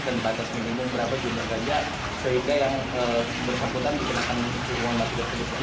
dan batas minimum berapa jumlah ganja sehingga yang bersambutan digunakan penguat mati